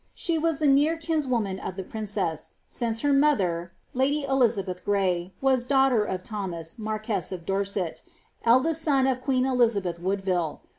She was the near kinswumsn of the princns*, since her moiher, lady Eliznbeih Gray, was daughter of Thntiias, mar quess of Dorset, eldest son of queen Dizabelh Woodvdie.